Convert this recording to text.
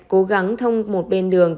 cố gắng thông một bên đường